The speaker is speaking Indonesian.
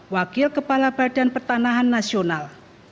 wakil kepala badan pertanahan nasional